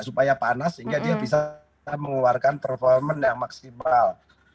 supaya panas sehingga dia bisa mengeluarkan performance yang maksimal